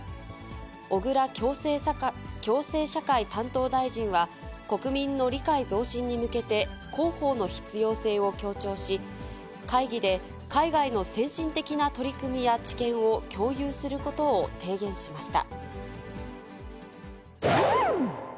小倉共生社会担当大臣は国民の理解増進に向けて、広報の必要性を強調し、会議で海外の先進的な取り組みや知見を共有することを提言しました。